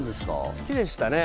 好きでしたね。